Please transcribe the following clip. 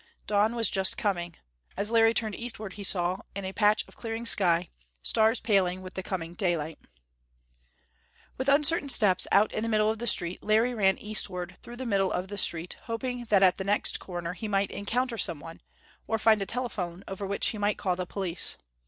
Dawn was just coming; as Larry turned eastward he saw, in a patch of clearing sky, stars paling with the coming daylight. With uncertain steps, out in the middle of the street, Larry ran eastward through the middle of the street, hoping that at the next corner he might encounter someone, or find a telephone over which he might call the police.